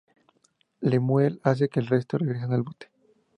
Lemuel hace que el resto regresen al bote.